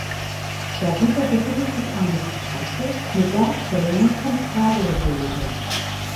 Darüber befindet sich eine Terrasse mit Darstellungen von Fabelwesen.